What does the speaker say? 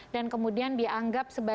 dan kemudian dianggap sebagai